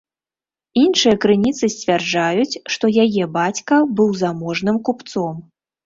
Іншыя крыніцы сцвярджаюць, што яе бацька быў заможным купцом.